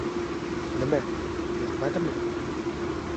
— Nima? Yoqmadimi?